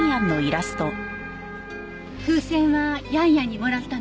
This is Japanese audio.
風船はヤンヤンにもらったの？